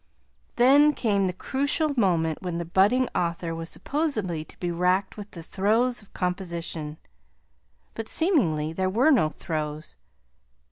Then came the crucial moment when the budding author was supposedly to be racked with the throes of composition; but seemingly there were no throes.